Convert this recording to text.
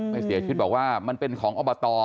ไปเสียชีวิตบอกว่ามันเป็นของอบต